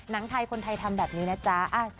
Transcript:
หนังไทยคนไทยทำแบบนี้นะจ๊ะ